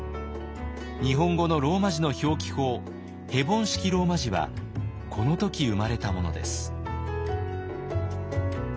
日本語のローマ字の表記法ヘボン式ローマ字はこの時生まれたものです。